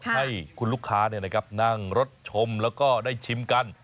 ให้คุณลูกค้านั่งรถชมแล้วก็ได้ชิมกัน